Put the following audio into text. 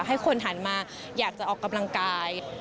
ให้คนหันมาอยากจะออกกำลังกาย